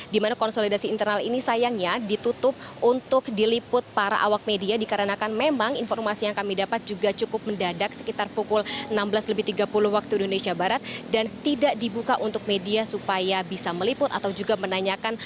dimana konsolidasi internal ini sayangnya ditutup untuk diliput para awak media dikarenakan memang informasi yang kami dapat juga cukup mendadak sekitar pukul enam belas lebih tiga puluh waktu indonesia barat dan tidak dibuka untuk media supaya bisa meliput atau juga menanyakan